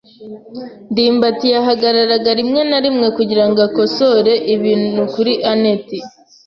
ndimbati yahagararaga rimwe na rimwe kugirango akosore ibintu kuri anet.